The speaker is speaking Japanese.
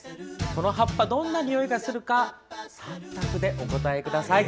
この葉っぱどんなにおいがするか３択でお答えください。